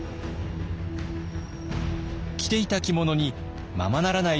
着ていた着物にままならない